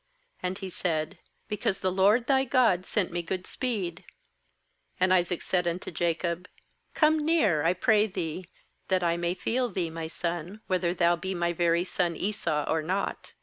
And he said: 'Because the LORD thy God sent me good speed.' 21And Isaac said unto Jacob: 'Come near, I pray thee, that I may feel thee, my son, whether thou be my very son Esau or not.'